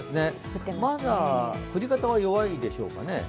まだ降り方は弱いでしょうかね。